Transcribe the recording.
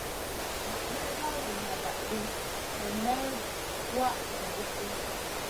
Na may law vuna vahdi nen may wah vaihʼdi.